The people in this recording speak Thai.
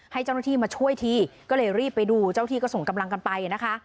ให้เจ้าหน้าที่มาช่วยทีก็เลยรีบไปดูเจ้าที่ก็ส่งกำลังกันไปนะคะ